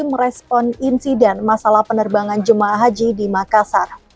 merespon insiden masalah penerbangan jemaah haji di makassar